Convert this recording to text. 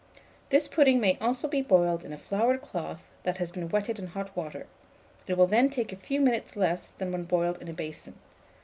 This pudding may also be boiled in a floured cloth that has been wetted in hot water; it will then take a few minutes less than when boiled in a basin.